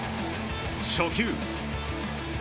初球。